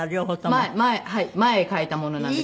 前前前書いたものなんです。